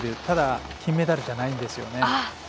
ただ、金メダルじゃないんですよ。